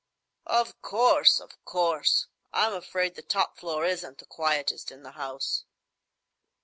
"Of course! of course! I'm afraid the top floor isn't the quietest in the house."